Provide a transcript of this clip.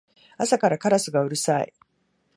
朝からカラスがうるさい